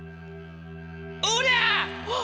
おりゃ！